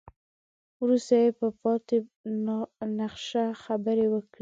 وروسته يې په پاتې نخشه خبرې وکړې.